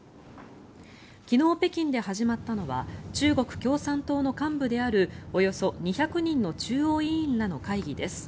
昨日、北京で始まったのは中国共産党の幹部であるおよそ２００人の中央委員らの会議です。